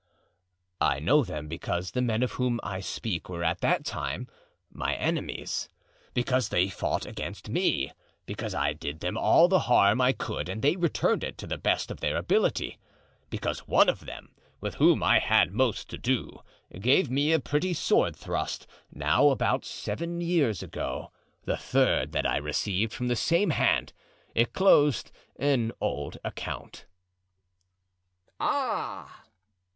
"I know them because the men of whom I speak were at that time my enemies; because they fought against me; because I did them all the harm I could and they returned it to the best of their ability; because one of them, with whom I had most to do, gave me a pretty sword thrust, now about seven years ago, the third that I received from the same hand; it closed an old account." "Ah!"